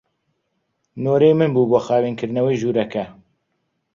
نۆرەی من بوو بۆ خاوێنکردنەوەی ژوورەکە.